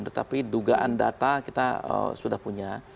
tetapi dugaan data kita sudah punya